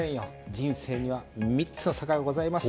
人生には３つの坂がございます。